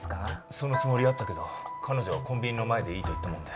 そのつもりやったけど彼女がコンビニの前でいいと言ったもんで